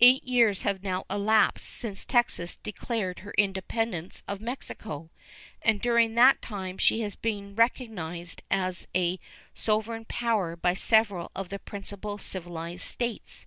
Eight years have now elapsed since Texas declared her independence of Mexico, and during that time she has been recognized as a sovereign power by several of the principal civilized states.